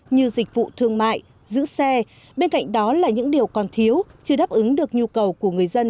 như dịch vụ thương mại giữ xe bên cạnh đó là những điều còn thiếu chưa đáp ứng được nhu cầu của người dân